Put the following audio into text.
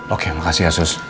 oke makasih ya sus